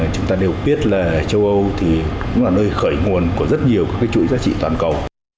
chúng ta đều biết là châu âu thì cũng là nơi khởi nguồn của rất nhiều các chuỗi giá trị toàn cầu